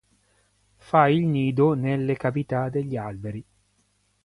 Fa il nido nelle cavità degli alberi.